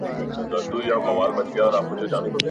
هر شوقي یې د رنګونو خریدار وي -